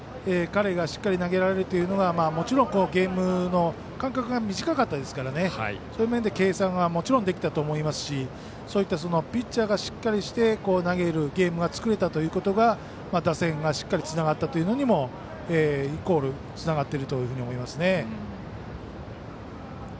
彼がしっかり投げられるというのがもちろんゲームの間隔が短かったですからそういう面で計算がもちろんできたと思いますしピッチャーがしっかりしてゲームが作れたというのが打線がしっかりつながったというのがイコールつながってると思います。